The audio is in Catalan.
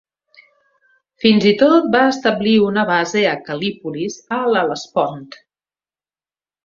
Fins i tot va establir una base a Cal·lípolis, a l'Hel·lespont.